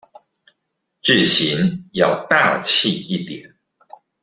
字型要大器一點